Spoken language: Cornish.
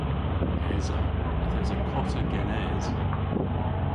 Esa. Yth esa kota genes.